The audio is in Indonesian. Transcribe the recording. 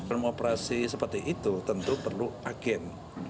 dalam operasi seperti itu tentu perlu agen